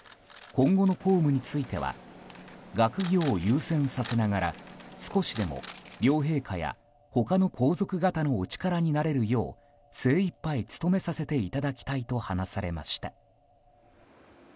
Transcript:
今後の公務については学業を優先させながら少しでも両陛下や他の皇族方のお力になれるよう精いっぱい努めさせていただきたいと話されました。